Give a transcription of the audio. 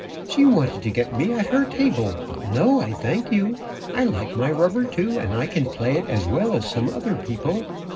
"She wanted to get me at her table. But no, I thank you. I like my rubber too, and can play it as well as some other people.